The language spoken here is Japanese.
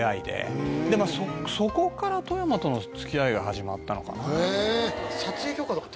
そこから富山との付き合いが始まったのかな。